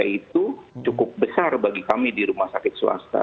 itu cukup besar bagi kami di rumah sakit swasta